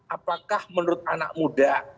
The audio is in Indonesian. apakah menurut anak muda